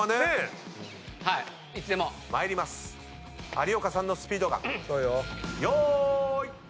有岡さんのスピードガンよーい。